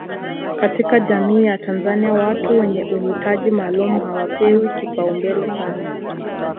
katika jamii ya Tanzania watu wenye uhitaji maalum hawapewi kipaumbele sana